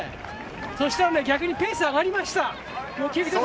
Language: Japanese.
そうしたら逆にペースが上がりました。